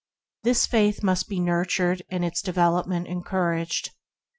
This faith must be nurtured and its development encouraged.